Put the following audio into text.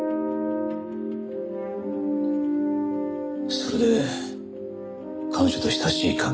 それで彼女と親しい関係に？